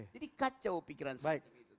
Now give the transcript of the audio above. jadi kacau pikiran seperti itu